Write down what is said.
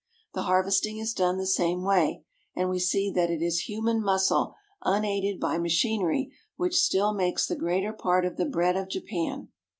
The harvesting is done the same way, and we see that it is human muscle unaided by machinery which still makes the greater part of the bread of Japan.